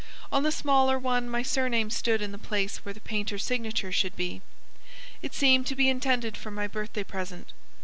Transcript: On the smaller one my surname stood in the place where the painter's signature should be; it seemed to be intended for my birthday present.